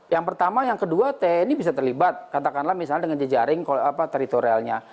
yang pertama yang kedua tni bisa terlibat katakanlah misalnya dengan jejaring teritorialnya